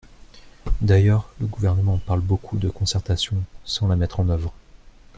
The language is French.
D’ailleurs, le Gouvernement parle beaucoup de concertation sans la mettre en œuvre.